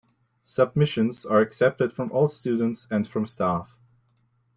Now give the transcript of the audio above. Submissions are accepted from all students and from staff.